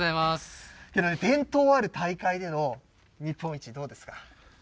伝統ある大会での日本一、どうですか。